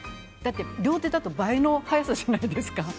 両手だと倍の早さじゃないですか。